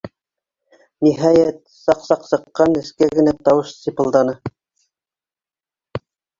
Ниһайәт, саҡ-саҡ сыҡҡан нескә генә тауыш сипылданы.